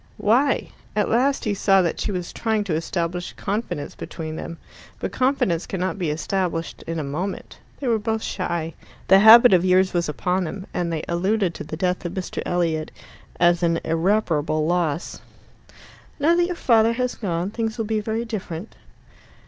Why? At last he saw that she was trying to establish confidence between them. But confidence cannot be established in a moment. They were both shy. The habit of years was upon them, and they alluded to the death of Mr. Elliot as an irreparable loss. "Now that your father has gone, things will be very different."